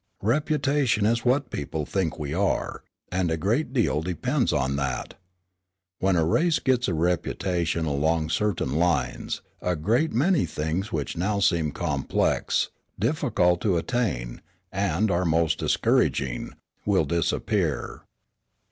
"Reputation is what people think we are, and a great deal depends on that. When a race gets a reputation along certain lines, a great many things which now seem complex, difficult to attain, and are most discouraging, will disappear.